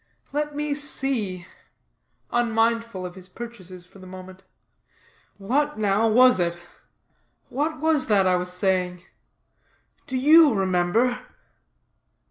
Let me see," unmindful of his purchases for the moment, "what, now, was it? What was that I was saying? Do you remember?"